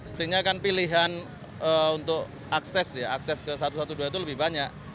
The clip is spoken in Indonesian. artinya kan pilihan untuk akses ya akses ke satu ratus dua belas itu lebih banyak